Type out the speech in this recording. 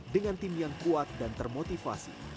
dengan tim yang kuat dan termotivasi